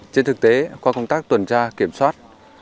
trên thực tế qua công tác tuần tra kiểm soát